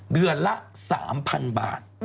เดือนละ๓๐๐๐บาท